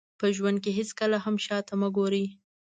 په ژوند کې هېڅکله هم شاته مه ګورئ.